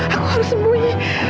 aku harus sembuhi